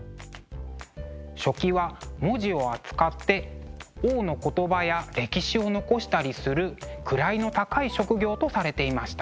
書記は文字を扱って王の言葉や歴史を残したりする位の高い職業とされていました。